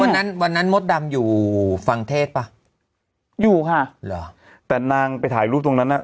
วันนั้นวันนั้นมดดำอยู่ฟังเทศป่ะอยู่ค่ะเหรอแต่นางไปถ่ายรูปตรงนั้นอ่ะ